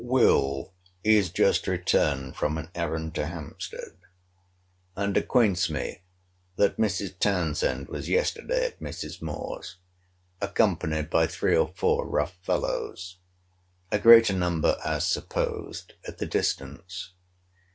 Will. is just returned from an errand to Hampstead; and acquaints me, that Mrs. Townsend was yesterday at Mrs. Moore's, accompanied by three or four rough fellows; a greater number (as supposed) at a distance.